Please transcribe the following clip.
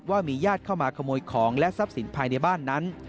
ว่ามีญาติเข้ามาขโมยของและทรัพย์สินภายในบ้านนั้น